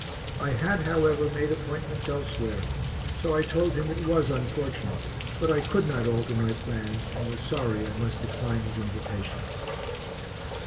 I had, however, made appointments elsewhere, so I told him it was unfortunate, but I could not alter my plans and was sorry I must decline his invitation.